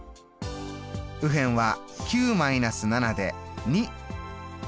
右辺は９−７で２。